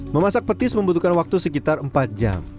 memasak petis membutuhkan waktu sekitar empat jam